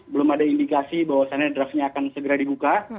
belum ada indikasi bahwasannya draftnya akan segera dibuka